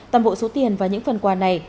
tầm bộ số tiền và những phần quà này